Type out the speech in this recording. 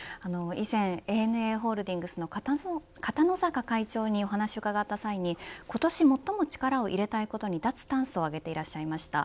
以前、ＡＮＡホールディングスの会長にお話を伺った際に今年、最も力を入れたいことに脱炭素を挙げていらっしゃいました。